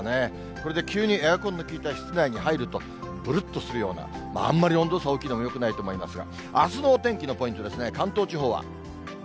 これで急にエアコンの効いた室内に入ると、ぶるっとするような、あんまり温度差大きいのもよくないと思いますが、あすのお天気のポイントですね、関東地方は。